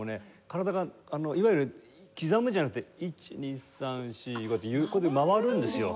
体がいわゆる刻むじゃなくて１２３４５ってこうやって回るんですよ。